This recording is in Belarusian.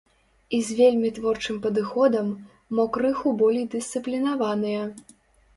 І з вельмі творчым падыходам, мо крыху болей дысцыплінаваныя.